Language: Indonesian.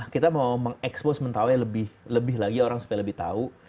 kita mau mengekspos mentawai lebih lagi orang supaya lebih tahu